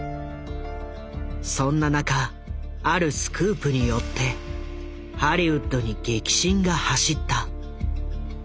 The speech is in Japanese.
そんな中あるスクープによってハリウッドに激震が走った。